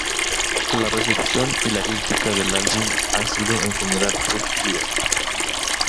La recepción y la crítica del álbum ha sido en general positiva.